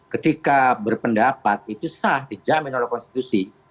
ketika berpendapat itu sah dijamin oleh konstitusi